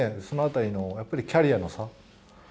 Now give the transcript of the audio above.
その辺りのやっぱりキャリアの差。